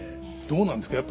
どうなんですか？